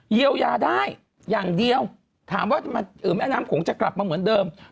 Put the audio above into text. เยียวยาได้อย่างเดียวถามว่าแม่น้ำโขงจะกลับมาเหมือนเดิม